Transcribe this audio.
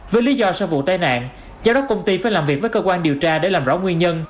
với lý do sau vụ tai nạn giáo đốc công ty phải làm việc với cơ quan điều tra để làm rõ nguyên nhân